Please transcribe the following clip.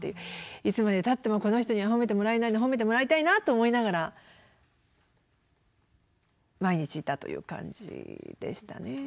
いつまでたってもこの人には褒めてもらえないな褒めてもらいたいなと思いながら毎日いたという感じでしたね。